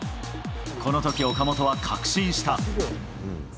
このとき、岡本は確信した。